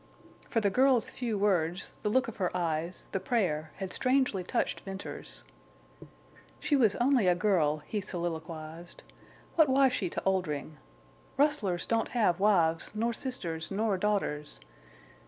For the girl's few words, the look of her eyes, the prayer, had strangely touched Venters. "She was only a girl," he soliloquized. "What was she to Oldring? Rustlers don't have wives nor sisters nor daughters.